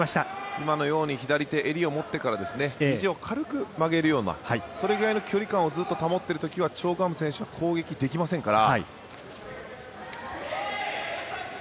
今のように左手で襟を持ってからひじを軽く曲げるようなそれぐらいの距離感をずっと保っている時はチョ・グハム選手は攻撃できませんから。